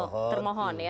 jawaban termohon ya